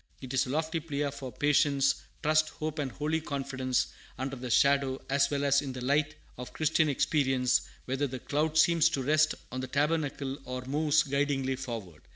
It is a lofty plea for patience, trust, hope, and holy confidence, under the shadow, as well as in the light, of Christian experience, whether the cloud seems to rest on the tabernacle, or moves guidingly forward.